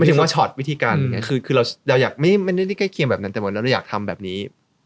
ไม่ถึงว่าชอบวิธีการคือเราอยากไม่ได้ใกล้เคียงแบบนั้นแต่เราอยากทำแบบนี้